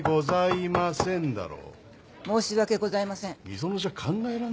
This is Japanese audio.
申し訳ございません。